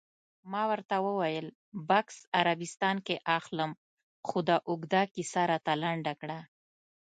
ما ورته وویل: بکس عربستان کې اخلم، خو دا اوږده کیسه راته لنډه کړه.